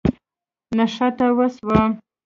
نښته وسوه.